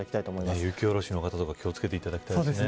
雪おろしの方気を付けていただきたいですね。